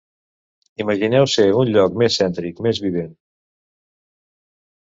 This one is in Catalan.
Imagineu ser un lloc més cèntric, més vivent.